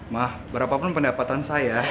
ma berapapun pendapatan saya